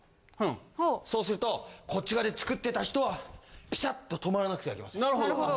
そうするとこっち側で作ってた人はピタッと止まらなくてはいけません。